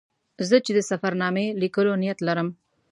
زه چې د سفر نامې لیکلو نیت لرم.